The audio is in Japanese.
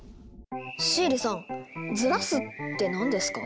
シエリさん「ずらす」って何ですか？